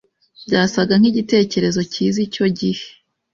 Byasaga nkigitekerezo cyiza icyo gihe.